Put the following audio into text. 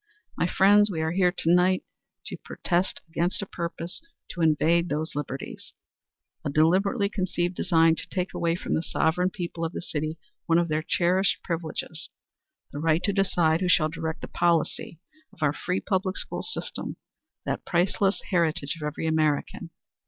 My friends, we are here to night to protest against a purpose to invade those liberties a deliberately conceived design to take away from the sovereign people of this city one of their cherished privileges the right to decide who shall direct the policy of our free public school system, that priceless heritage of every American.